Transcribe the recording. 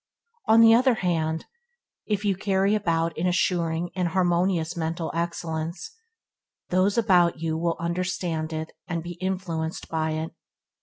On the other hand, if you carry about an assuring and harmonious mental excellence, it needs no that those about you understand it to be influenced by it.